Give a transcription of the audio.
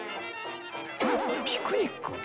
ピクニック？